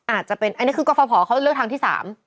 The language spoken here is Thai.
อาจจะเป็นอันนี้คือกรฟภเขาเลือกทางที่๓